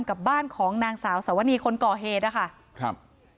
กับบ้านของนางสาวสวนีคนก่อเหตุนะคะครับ